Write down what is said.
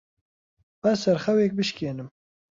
با سەرخەوێک بشکێنم.